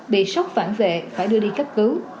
bị sốc phản vệ phải đưa đi cấp cứu